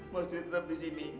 mas rick tetap di sini